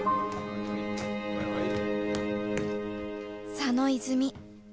佐野泉